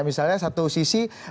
misalnya satu sisi